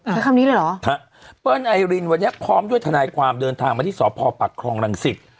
ใช้คำนี้เลยเหรอเปิ้ลไอรินวันนี้พร้อมด้วยทนายความเดินทางมาที่สพปักครองรังสิต